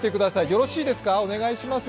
よろしいですか、お願いします。